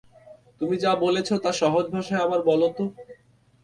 তুমি যা বলেছ তা সহজ ভাষায় আবার বলো তো!